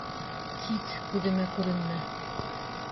Кит, күҙемә күренмә!